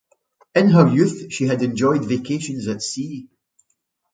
In her youth she had enjoyed vacations at sea.